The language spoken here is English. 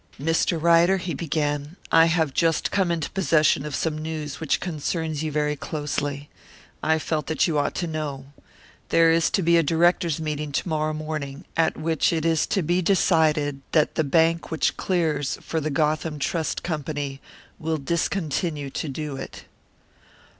"Mr. Ryder," he began, "I have just come into possession of some news which concerns you very closely. I felt that you ought to know. There is to be a directors' meeting to morrow morning, at which it is to be decided that the bank which clears for the Gotham Trust Company will discontinue to do it."